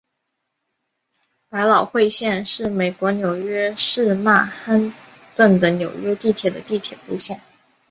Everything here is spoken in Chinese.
百老汇线是美国纽约市曼哈顿的纽约地铁的地铁路线。